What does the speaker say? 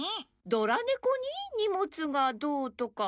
ドラねこに荷物がどうとか。